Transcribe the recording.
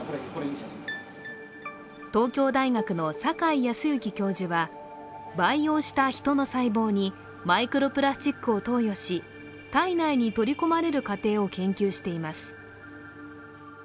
東京大学の酒井康行教授は培養した人の細胞にマイクロプラスチックを投与し体内に取り込まれる過程を研究しています。